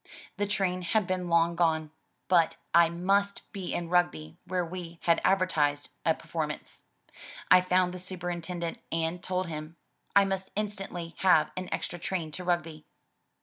The train had long been gone, but I must be in Rugby where we had advertised a performance. I found the superintendent and told him, " I must instantly have an extra train to Rugby.'